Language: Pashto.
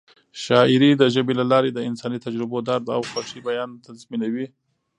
شاعري د ژبې له لارې د انساني تجربو، درد او خوښۍ بیان تضمینوي.